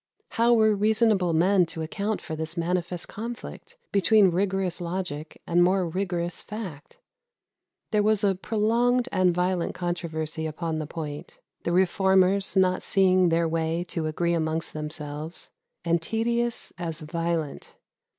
How were reasonable men to account for this manifest conflict between rigorous logic and more rigorous fact? There was a prolonged and violent controversy upon the point the Reformers not seeing their way to agree amongst themselves and tedious as violent.